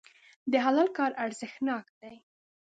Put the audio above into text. د حلال کار ارزښتناک دی.